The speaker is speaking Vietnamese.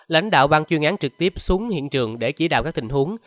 lãnh đạo bang chuyên án trực tiếp xuống hiện trường để chỉ đạo các tình huống